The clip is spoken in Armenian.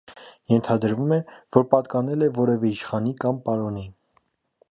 Ենթադրվում է, որ պատկանել է որևէ իշխանի կամ պարոնի։